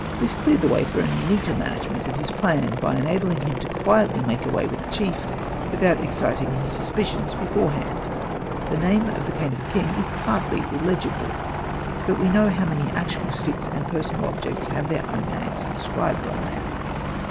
This cleared the way for a neater management of his plan, by enabling him to quietly make away with the chief, without exciting his suspicions beforehand. The name of the cane of the king is partly illegible ; but we know how many actual sticks and personal objects have their own names inscribed on them.